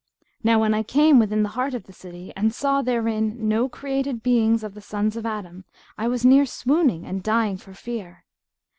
Now when I came within the heart of the city and saw therein no created beings of the Sons of Adam I was near swooning and dying for fear.